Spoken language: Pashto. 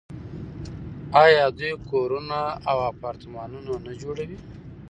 آیا دوی کورونه او اپارتمانونه نه جوړوي؟